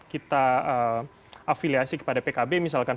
kita afiliasi kepada pkb misalkan